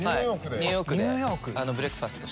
ニューヨークでブレックファースト！